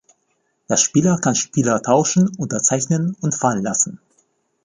Der Spieler kann Spieler tauschen, unterzeichnen und fallen lassen.